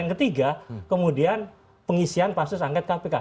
yang ketiga kemudian pengisian pansu sangket kpk